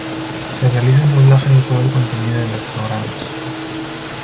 Se realiza el doblaje de todo el contenido de los programas.